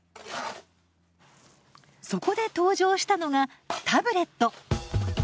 そこで登場したのがタブレット。